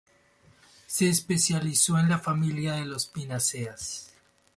Se especializó en la familia de las pináceas.